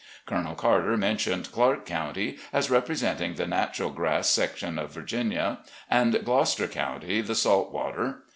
Colonel Carter mentioned Clarke County as representing the natmnl grass section of Virginia, and Gloucester County the salt water.